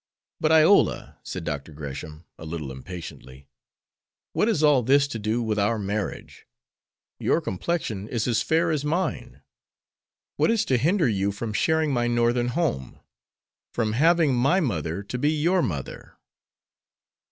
"But, Iola," said Dr. Gresham, a little impatiently, "what has all this to do with our marriage? Your complexion is as fair as mine. What is to hinder you from sharing my Northern home, from having my mother to be your mother?"